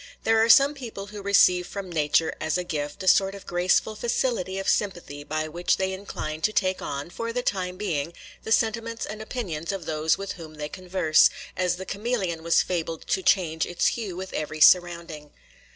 There are some people who receive from Nature as a gift a sort of graceful facility of sympathy by which they incline to take on, for the time being, the sentiments and opinions of those with whom they converse, as the chameleon was fabled to change its hue with every surrounding.